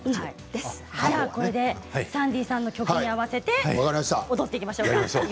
サンディーさんの曲に合わせて踊っていきましょう。